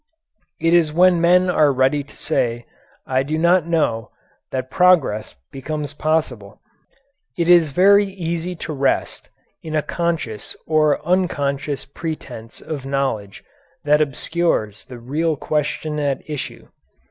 It is when men are ready to say, "I do not know," that progress becomes possible. It is very easy to rest in a conscious or unconscious pretence of knowledge that obscures the real question at issue.